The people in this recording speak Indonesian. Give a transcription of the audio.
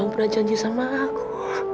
yang pernah janji sama aku